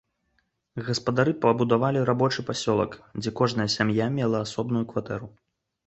Гаспадары пабудавалі рабочы пасёлак, дзе кожная сям'я мела асобную кватэру.